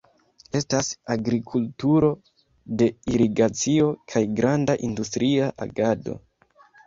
Estas agrikulturo de irigacio kaj granda industria agado.